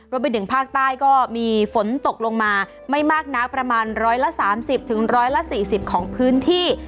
ไปถึงภาคใต้ก็มีฝนตกลงมาไม่มากนักประมาณ๑๓๐๑๔๐ของพื้นที่